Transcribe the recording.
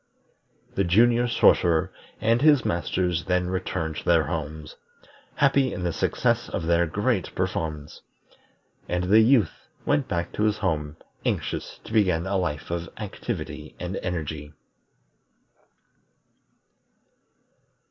The Junior Sorcerer and his Masters then returned to their homes, happy in the success of their great performance; and the Youth went back to his home anxious to begin a life of activity and energy.